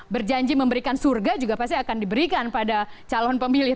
berjanji memberikan surga juga pasti akan diberikan pada calon pemilih